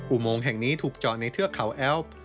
อุโมงแห่งนี้ถูกจอดในเทือกเขาแอ้ว